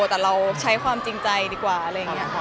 แต่เราใช้ความจริงใจดีกว่าอะไรอย่างนี้ค่ะ